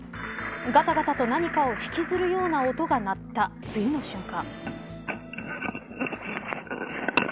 がたがたと何かを引きずるような音が鳴った次の瞬間。